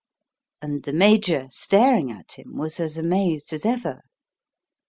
And the Major, staring at him, was as amazed as ever.